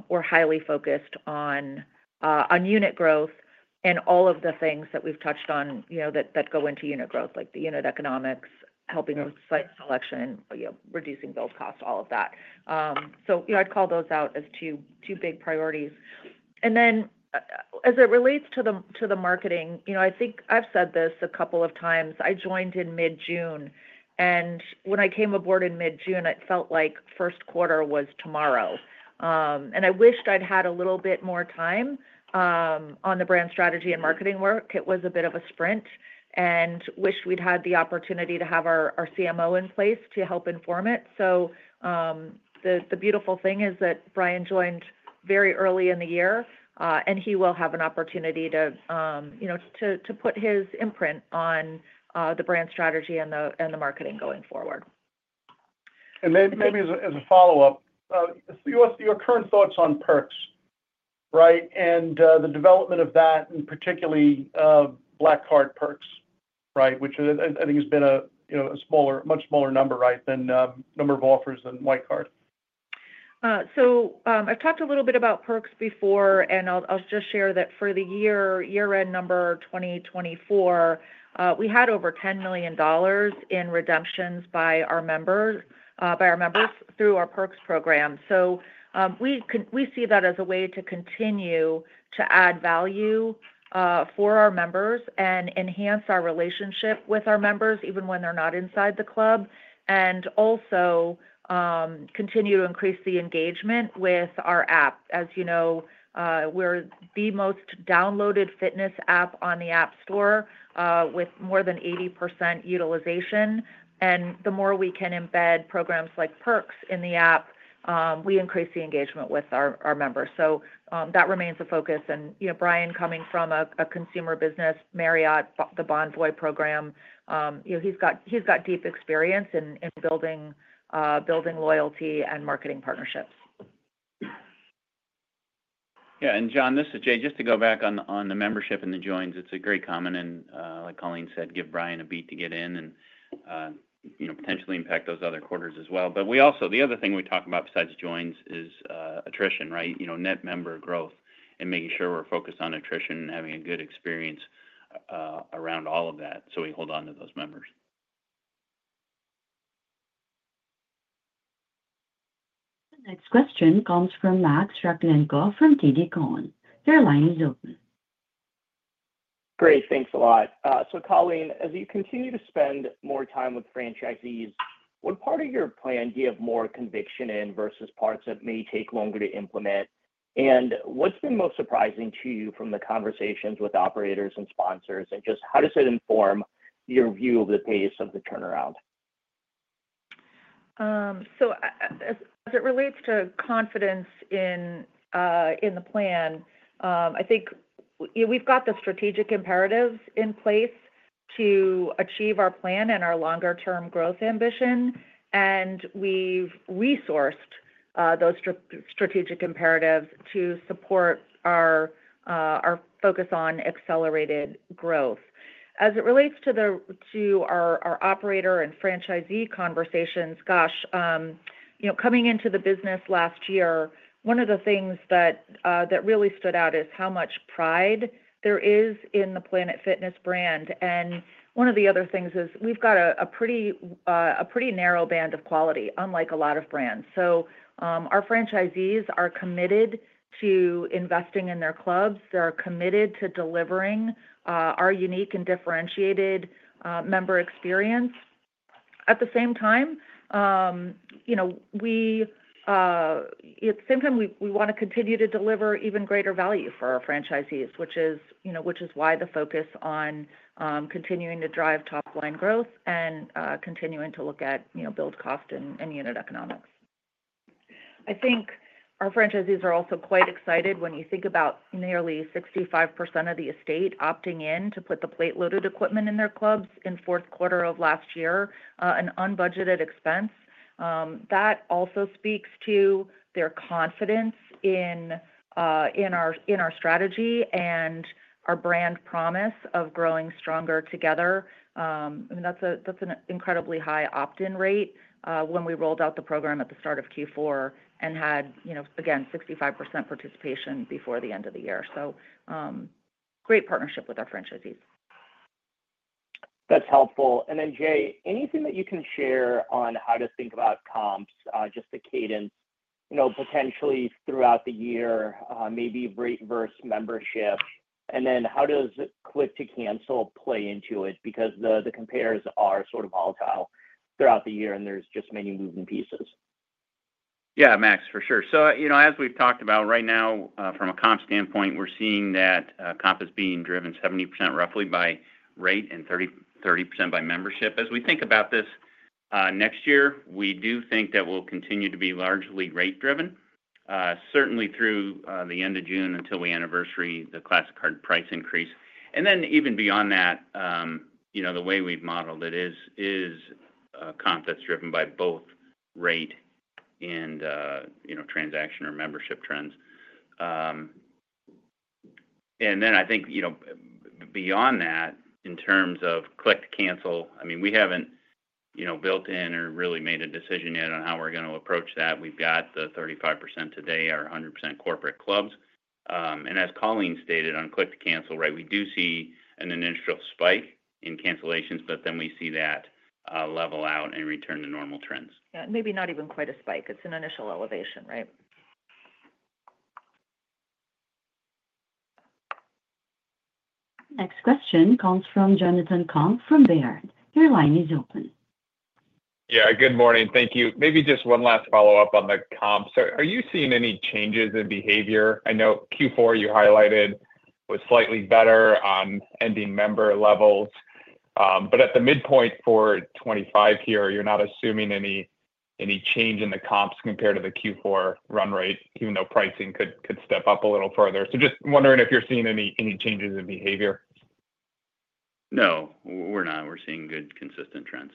we're highly focused on unit growth and all of the things that we've touched on, you know, that go into unit growth, like the unit economics, helping with site selection, you know, reducing build cost, all of that. You know, I'd call those out as two big priorities. Then as it relates to the marketing, you know, I think I've said this a couple of times. I joined in mid-June, and when I came aboard in mid-June, it felt like first quarter was tomorrow. I wished I'd had a little bit more time on the brand strategy and marketing work. It was a bit of a sprint and wished we'd had the opportunity to have our CMO in place to help inform it. So the beautiful thing is that Brian joined very early in the year, and he will have an opportunity to, you know, to put his imprint on the brand strategy and the marketing going forward. Maybe as a follow-up, your current thoughts on perks, right, and the development of that, and particularly Black Card perks, right, which I think has been a smaller, much smaller number, right, than number of offers than Classic Card. I've talked a little bit about perks before, and I'll just share that for the year-end number 2024, we had over $10 million in redemptions by our members through our perks program. We see that as a way to continue to add value for our members and enhance our relationship with our members even when they're not inside the club and also continue to increase the engagement with our app. As you know, we're the most downloaded fitness app on the App Store with more than 80% utilization. The more we can embed programs like perks in the app, we increase the engagement with our members. That remains a focus. You know, Brian coming from a consumer business, Marriott, the Bonvoy program, you know, he's got deep experience in building loyalty and marketing partnerships. Yeah. And John, this is Jay. Just to go back on the membership and the joins, it's a great comment. And like Colleen said, give Brian a beat to get in and, you know, potentially impact those other quarters as well. But we also, the other thing we talk about besides joins is attrition, right? You know, net member growth and making sure we're focused on attrition and having a good experience around all of that. So we hold on to those members. The next question comes from Max Rakhlenko from TD Cowen. Your line is open. Great. Thanks a lot. So Colleen, as you continue to spend more time with franchisees, what part of your plan do you have more conviction in versus parts that may take longer to implement? And what's been most surprising to you from the conversations with operators and sponsors? And just how does it inform your view of the pace of the turnaround? So as it relates to confidence in the plan, I think, you know, we've got the strategic imperatives in place to achieve our plan and our longer-term growth ambition. And we've resourced those strategic imperatives to support our focus on accelerated growth. As it relates to our operator and franchisee conversations, gosh, you know, coming into the business last year, one of the things that really stood out is how much pride there is in the Planet Fitness brand. And one of the other things is we've got a pretty narrow band of quality, unlike a lot of brands. So our franchisees are committed to investing in their clubs. They're committed to delivering our unique and differentiated member experience. At the same time, you know, we want to continue to deliver even greater value for our franchisees, which is, you know, why the focus on continuing to drive top line growth and continuing to look at, you know, build cost and unit economics. I think our franchisees are also quite excited when you think about nearly 65% of the estate opting in to put the plate-loaded equipment in their clubs in fourth quarter of last year, an unbudgeted expense. That also speaks to their confidence in our strategy and our brand promise of growing stronger together. I mean, that's an incredibly high opt-in rate when we rolled out the program at the start of Q4 and had, you know, again, 65% participation before the end of the year. So great partnership with our franchisees. That's helpful. And then, Jay, anything that you can share on how to think about comps, just the cadence, you know, potentially throughout the year, maybe rate versus membership? And then how does click-to-cancel play into it? Because the comps are sort of volatile throughout the year, and there's just many moving pieces. Yeah, Max, for sure. So, you know, as we've talked about, right now, from a comp standpoint, we're seeing that comp is being driven 70% roughly by rate and 30% by membership. As we think about this next year, we do think that we'll continue to be largely rate-driven, certainly through the end of June until we anniversary the Classic Card price increase. And then even beyond that, you know, the way we've modeled it is comp that's driven by both rate and, you know, transaction or membership trends. And then I think, you know, beyond that, in terms of click-to-cancel, I mean, we haven't, you know, built in or really made a decision yet on how we're going to approach that. We've got the 35% today are 100% corporate clubs. As Colleen stated on click-to-cancel, right, we do see an initial spike in cancellations, but then we see that level out and return to normal trends. Yeah. Maybe not even quite a spike. It's an initial elevation, right? The next question comes from Jonathan Komp from Baird. Your line is open. Yeah. Good morning. Thank you. Maybe just one last follow-up on the comps. Are you seeing any changes in behavior? I know Q4 you highlighted was slightly better on ending member levels. But at the midpoint for 2025 here, you're not assuming any change in the comps compared to the Q4 run rate, even though pricing could step up a little further. So just wondering if you're seeing any changes in behavior. No. We're not. We're seeing good consistent trends.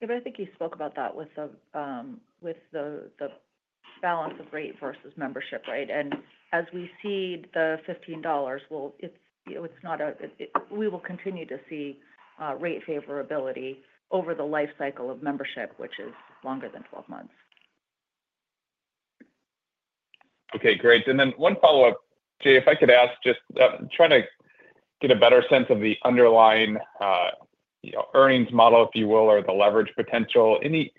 Yeah. But I think you spoke about that with the balance of rate versus membership, right? And as we see the $15, well, it's not. We will continue to see rate favorability over the lifecycle of membership, which is longer than 12 months. Okay. Great. And then one follow-up, Jay, if I could ask just trying to get a better sense of the underlying, you know, earnings model, if you will, or the leverage potential, any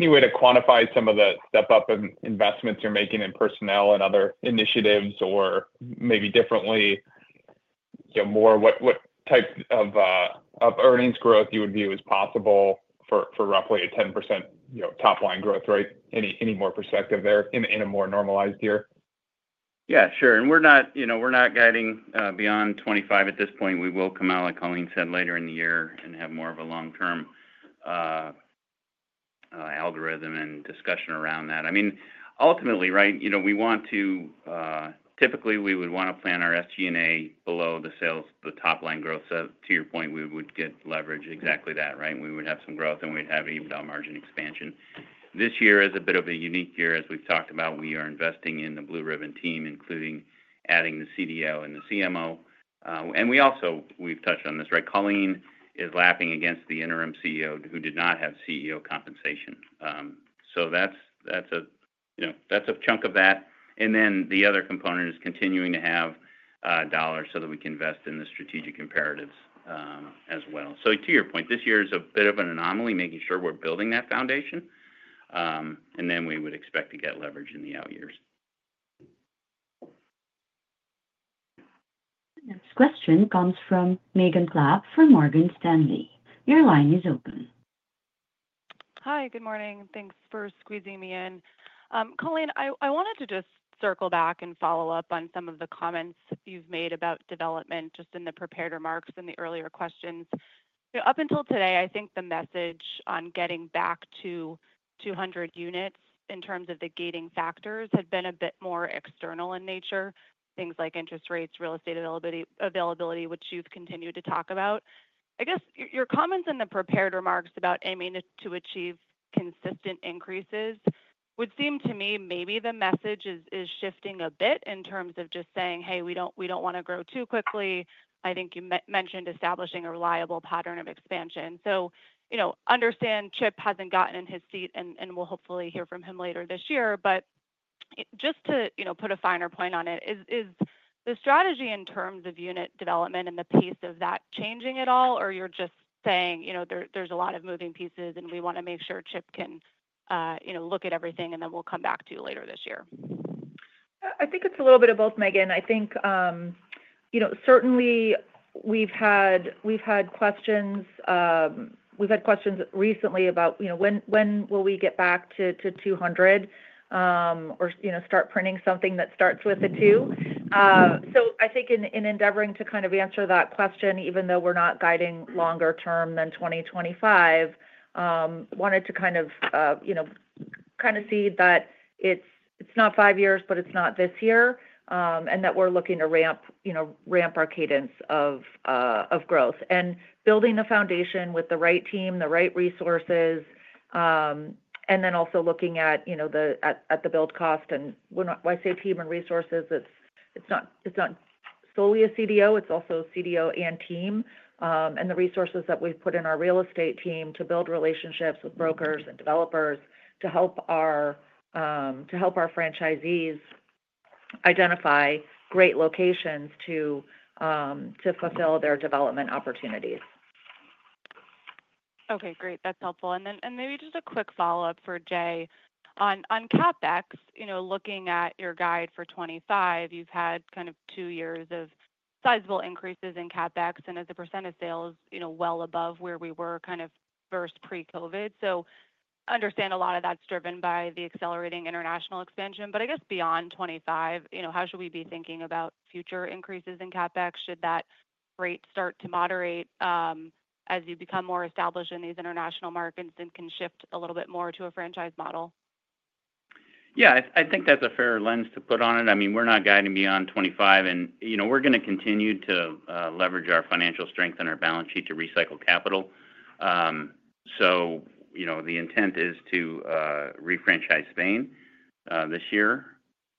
way to quantify some of the step-up investments you're making in personnel and other initiatives or maybe differently, you know, more what type of earnings growth you would view as possible for roughly a 10%, you know, top line growth rate, any more perspective there in a more normalized year? Yeah. Sure. And we're not, you know, we're not guiding beyond 2025 at this point. We will come out, like Colleen said, later in the year and have more of a long-term algorithm and discussion around that. I mean, ultimately, right, you know, we want to typically we would want to plan our SG&A below the sales, the top line growth. So to your point, we would get leverage, exactly that, right? We would have some growth and we'd have blue-ribbon team margin expansion. This year is a bit of a unique year. As we've talked about, we are investing in the blue-ribbon team, including adding the CDO and the CMO. And we also, we've touched on this, right? Colleen is lapping against the interim CEO who did not have CEO compensation. So that's a, you know, that's a chunk of that. And then the other component is continuing to have dollars so that we can invest in the strategic imperatives as well. So to your point, this year is a bit of an anomaly, making sure we're building that foundation. And then we would expect to get leverage in the out years. The next question comes from Megan Clapp from Morgan Stanley. Your line is open. Hi. Good morning. Thanks for squeezing me in. Colleen, I wanted to just circle back and follow up on some of the comments you've made about development just in the prepared remarks and the earlier questions. You know, up until today, I think the message on getting back to 200 units in terms of the gating factors had been a bit more external in nature, things like interest rates, real estate availability, which you've continued to talk about. I guess your comments in the prepared remarks about aiming to achieve consistent increases would seem to me maybe the message is shifting a bit in terms of just saying, "Hey, we don't want to grow too quickly." I think you mentioned establishing a reliable pattern of expansion. So, you know, understand Chip hasn't gotten in his seat and we'll hopefully hear from him later this year. But just to, you know, put a finer point on it, is the strategy in terms of unit development and the pace of that changing at all, or you're just saying, you know, there's a lot of moving pieces and we want to make sure Chip can, you know, look at everything and then we'll come back to you later this year? I think it's a little bit of both, Megan. I think, you know, certainly we've had questions. We've had questions recently about, you know, when will we get back to 200 or, you know, start printing something that starts with a two? So I think in endeavoring to kind of answer that question, even though we're not guiding longer term than 2025, wanted to kind of, you know, kind of see that it's not five years, but it's not this year, and that we're looking to ramp, you know, ramp our cadence of growth and building the foundation with the right team, the right resources, and then also looking at, you know, the build cost, and when I say team and resources, it's not solely a CDO. It's also CDO and team and the resources that we've put in our real estate team to build relationships with brokers and developers to help our franchisees identify great locations to fulfill their development opportunities. Okay. Great. That's helpful. And then maybe just a quick follow-up for Jay. On CapEx, you know, looking at your guide for 2025, you've had kind of two years of sizable increases in CapEx and a percentage of sales, you know, well above where we were kind of versus pre-COVID. So understand a lot of that's driven by the accelerating international expansion. But I guess beyond 2025, you know, how should we be thinking about future increases in CapEx? Should that rate start to moderate as you become more established in these international markets and can shift a little bit more to a franchise model? Yeah. I think that's a fair lens to put on it. I mean, we're not guiding beyond 2025, and you know, we're going to continue to leverage our financial strength and our balance sheet to recycle capital, so you know, the intent is to refranchise Spain this year,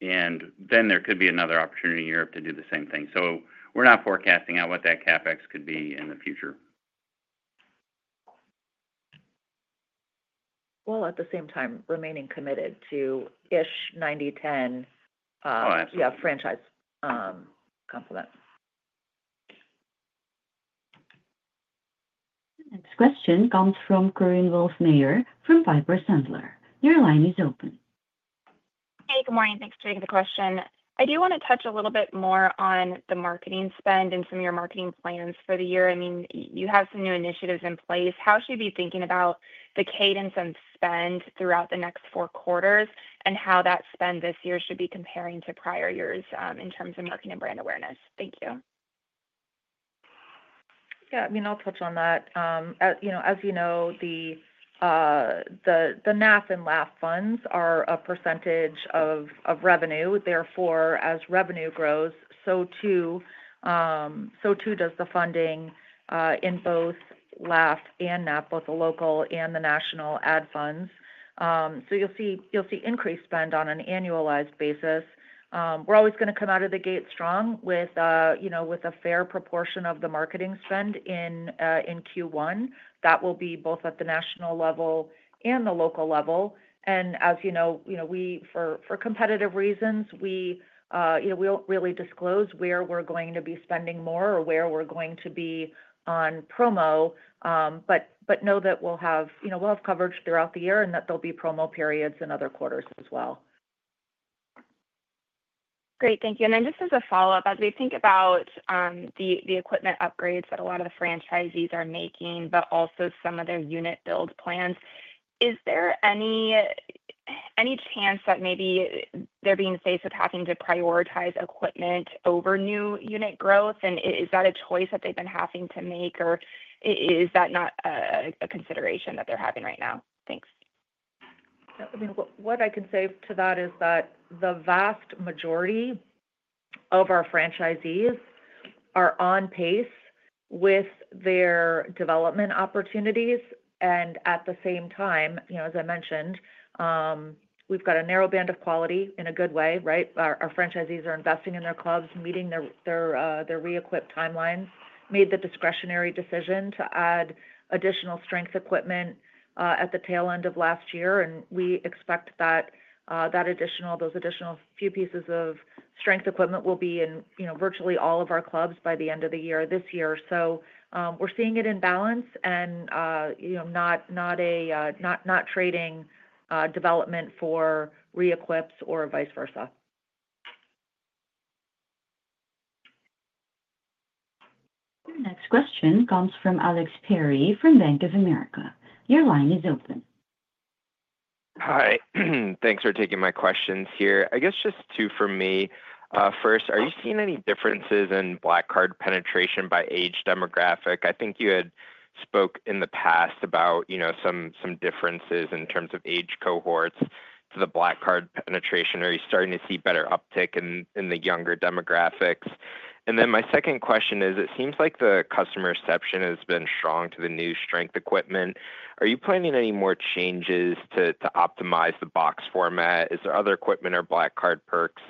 and then there could be another opportunity in Europe to do the same thing, so we're not forecasting out what that CapEx could be in the future. At the same time, remaining committed to ish 90/10. Oh, absolutely. Yeah, franchise complement. The next question comes from Korinne Wolfmeyer from Piper Sandler. Your line is open. Hey. Good morning. Thanks for taking the question. I do want to touch a little bit more on the marketing spend and some of your marketing plans for the year. I mean, you have some new initiatives in place. How should you be thinking about the cadence and spend throughout the next four quarters and how that spend this year should be comparing to prior years in terms of marketing and brand awareness? Thank you. Yeah. I mean, I'll touch on that. You know, as you know, the NAF and LAF funds are a percentage of revenue. Therefore, as revenue grows, so too does the funding in both LAF and NAF, both the local and the national ad funds. So you'll see increased spend on an annualized basis. We're always going to come out of the gate strong with, you know, a fair proportion of the marketing spend in Q1. That will be both at the national level and the local level. And as you know, for competitive reasons, you know, we don't really disclose where we're going to be spending more or where we're going to be on promo, but know that we'll have, you know, coverage throughout the year and that there'll be promo periods in other quarters as well. Great. Thank you. And then just as a follow-up, as we think about the equipment upgrades that a lot of the franchisees are making, but also some of their unit build plans, is there any chance that maybe they're being faced with having to prioritize equipment over new unit growth? And is that a choice that they've been having to make, or is that not a consideration that they're having right now? Thanks. I mean, what I can say to that is that the vast majority of our franchisees are on pace with their development opportunities. And at the same time, you know, as I mentioned, we've got a narrow band of quality in a good way, right? Our franchisees are investing in their clubs, meeting their re-equip timelines, made the discretionary decision to add additional strength equipment at the tail end of last year. And we expect that those additional few pieces of strength equipment will be in, you know, virtually all of our clubs by the end of the year this year. So we're seeing it in balance and, you know, not trading development for re-equips or vice versa. The next question comes from Alex Perry from Bank of America. Your line is open. Hi. Thanks for taking my questions here. I guess just two for me. First, are you seeing any differences in Black Card penetration by age demographic? I think you had spoke in the past about, you know, some differences in terms of age cohorts to the Black Card penetration. Are you starting to see better uptick in the younger demographics? And then my second question is, it seems like the customer reception has been strong to the new strength equipment. Are you planning any more changes to optimize the box format? Is there other equipment or Black Card perks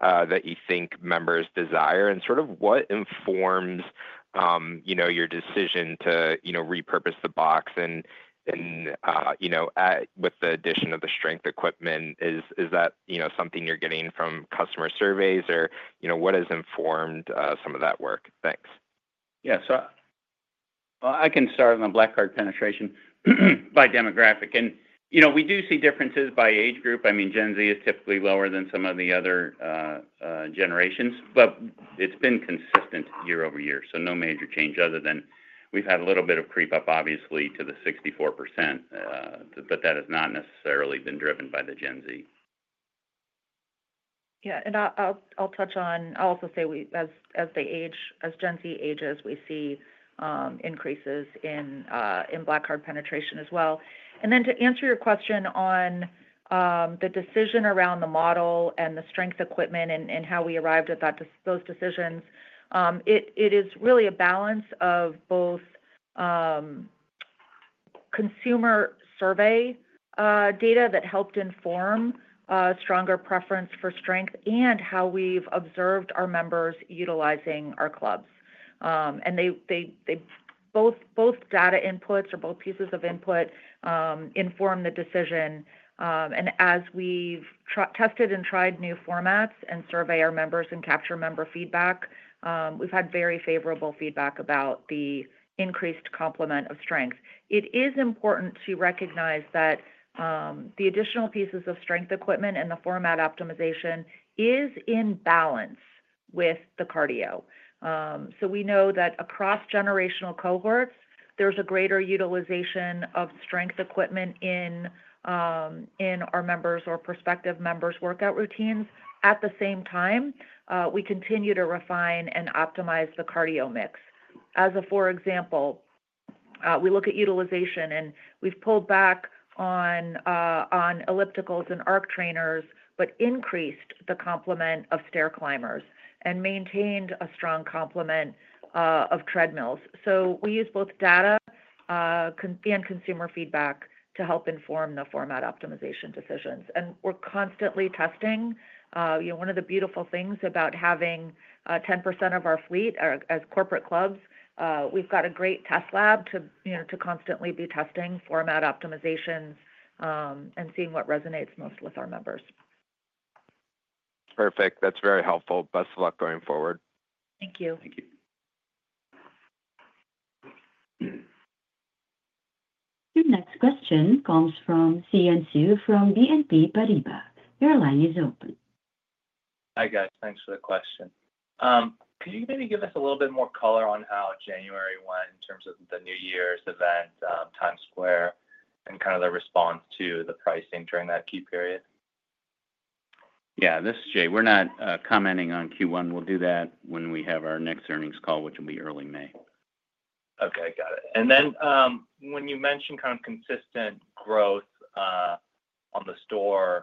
that you think members desire? And sort of what informs, you know, your decision to, you know, repurpose the box and, you know, with the addition of the strength equipment, is that, you know, something you're getting from customer surveys or, you know, what has informed some of that work? Thanks. Yeah. So I can start on the Black Card penetration by demographic. And, you know, we do see differences by age group. I mean, Gen Z is typically lower than some of the other generations, but it's been consistent year-over-year. So no major change other than we've had a little bit of creep up, obviously, to the 64%, but that has not necessarily been driven by the Gen Z. Yeah. And I'll touch on. I'll also say as Gen Z ages, we see increases in Black Card penetration as well. Then to answer your question on the decision around the model and the strength equipment and how we arrived at those decisions, it is really a balance of both consumer survey data that helped inform stronger preference for strength and how we've observed our members utilizing our clubs. Both data inputs or both pieces of input inform the decision. As we've tested and tried new formats and survey our members and capture member feedback, we've had very favorable feedback about the increased complement of strength. It is important to recognize that the additional pieces of strength equipment and the format optimization is in balance with the cardio. So we know that across generational cohorts, there's a greater utilization of strength equipment in our members or prospective members' workout routines. At the same time, we continue to refine and optimize the cardio mix. As a for example, we look at utilization and we've pulled back on ellipticals and Arc Trainers, but increased the complement of stair climbers and maintained a strong complement of treadmills. So we use both data and consumer feedback to help inform the format optimization decisions. And we're constantly testing. You know, one of the beautiful things about having 10% of our fleet as corporate clubs, we've got a great test lab to, you know, to constantly be testing format optimizations and seeing what resonates most with our members. Perfect. That's very helpful. Best of luck going forward. Thank you. Thank you. The next question comes from Xian Siew from BNP Paribas. Your line is open. Hi, guys. Thanks for the question. Could you maybe give us a little bit more color on how January went in terms of the New Year's event, Times Square, and kind of the response to the pricing during that key period? Yeah. This is Jay. We're not commenting on Q1. We'll do that when we have our next earnings call, which will be early May. Okay. Got it. And then when you mentioned kind of consistent growth on the club,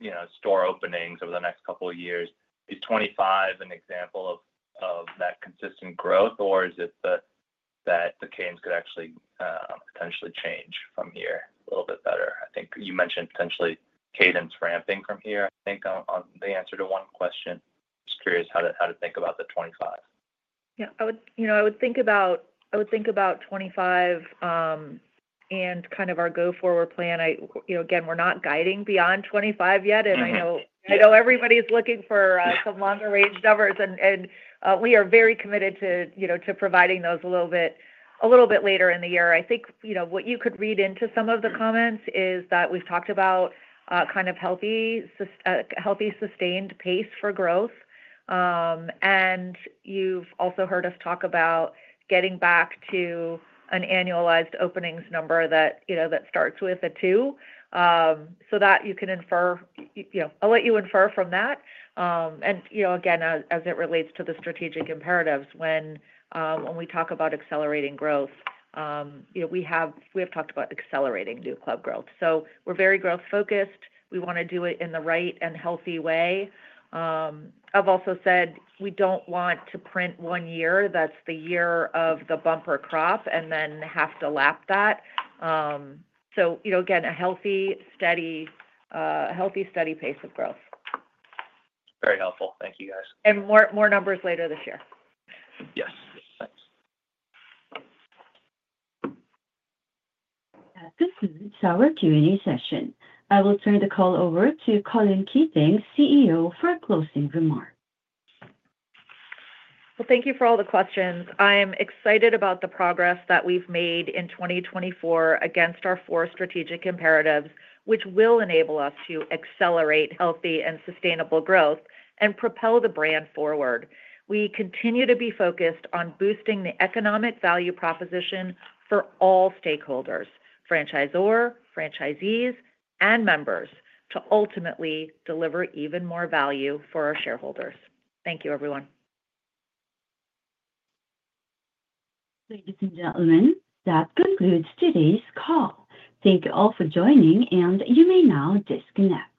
you know, club openings over the next couple of years, is 25 an example of that consistent growth, or is it that the cadence could actually potentially change from here a little bit better? I think you mentioned potentially cadence ramping from here. I think on the answer to one question, just curious how to think about the 25. Yeah. You know, I would think about 25 and kind of our go-forward plan. You know, again, we're not guiding beyond 25 yet. And I know everybody's looking for some longer range numbers. And we are very committed to, you know, to providing those a little bit later in the year. I think, you know, what you could read into some of the comments is that we've talked about kind of healthy sustained pace for growth. And you've also heard us talk about getting back to an annualized openings number that, you know, that starts with a 2 so that you can infer, you know, I'll let you infer from that. And, you know, again, as it relates to the strategic imperatives, when we talk about accelerating growth, you know, we have talked about accelerating new club growth. So we're very growth-focused. We want to do it in the right and healthy way. I've also said we don't want to print one year that's the year of the bumper crop and then have to lap that. So, you know, again, a healthy, steady, healthy, steady pace of growth. Very helpful. Thank you, guys. More numbers later this year. Yes. Thanks. That concludes our Q&A session. I will turn the call over to Colleen Keating, CEO, for a closing remark. Thank you for all the questions. I am excited about the progress that we've made in 2024 against our four strategic imperatives, which will enable us to accelerate healthy and sustainable growth and propel the brand forward. We continue to be focused on boosting the economic value proposition for all stakeholders, franchisor, franchisees, and members to ultimately deliver even more value for our shareholders. Thank you, everyone. Ladies and gentlemen, that concludes today's call. Thank you all for joining, and you may now disconnect.